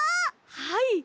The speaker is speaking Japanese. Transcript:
はい。